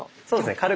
そうですね。